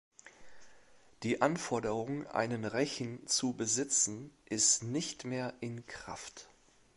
Die Anforderung, einen Rechen zu besitzen, ist nicht mehr in Kraft.